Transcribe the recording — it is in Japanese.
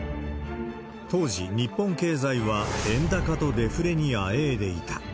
当時、日本経済は円高とデフレにあえいでいた。